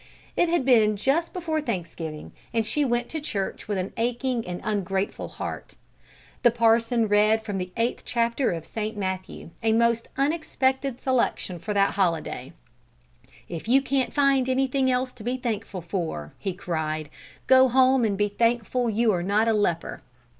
It had been just before Thanksgiving, and she went to church with an aching and ungrateful heart. The parson read from the eighth chapter of St. Matthew, a most unexpected selection for that holiday. "If you can't find anything else to be thankful for," he cried, "go home and be thankful you are not a leper!"